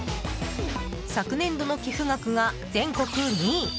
昨年度の寄付額が全国２位。